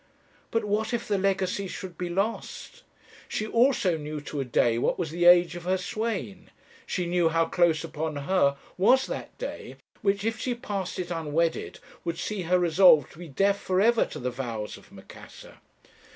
But what if the legacy should be lost! She also knew to a day what was the age of her swain; she knew how close upon her was that day, which, if she passed it unwedded, would see her resolved to be deaf for ever to the vows of Macassar.